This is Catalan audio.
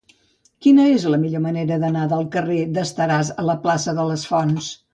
Quina és la millor manera d'anar del carrer d'Esteràs a la plaça de les Fonts?